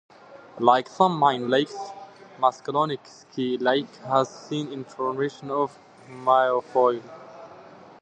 Like some Maine lakes, Messalonskee Lake has seen infestations of Milfoil.